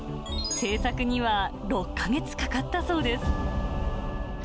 制作には６か月かかったそうです。